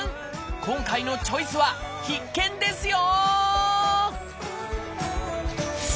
今回の「チョイス」は必見ですよ！